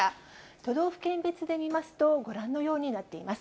都道府県別で見ますと、ご覧のようになっています。